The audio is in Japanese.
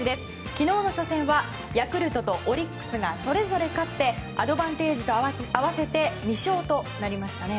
昨日の初戦はヤクルトとオリックスがそれぞれ勝ってアドバンテージと合わせて２勝となりましたね。